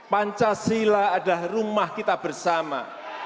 pancasila adalah rumah kita bersama